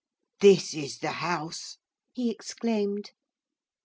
'This is the house!' he exclaimed.